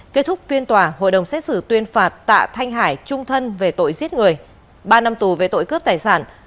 kết thúc phiên tòa hội đồng xét xử tuyên phạt tạ thanh hải trung thân về tội giết người ba năm tù về tội cướp tài sản